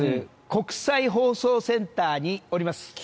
国際放送センターにおります。